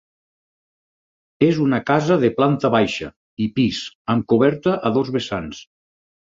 És una casa de planta baixa i pis, amb coberta a dos vessants.